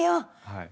はい。